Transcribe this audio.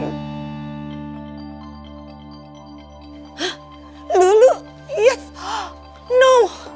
hah lulu yes no